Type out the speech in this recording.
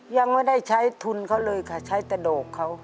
ยังไม่ได้ใช้ทุนเขาเลยค่ะใช้แต่ดอกเขา